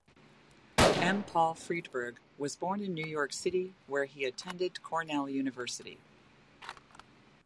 M. Paul Friedberg was born in New York City where he attended Cornell University.